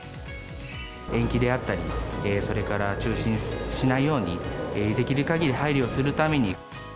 延期であったり、それから中止にしないように、できるかぎり配慮をするために。